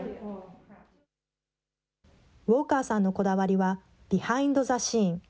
ウォーカーさんのこだわりは、ビハインド・ザ・シーン。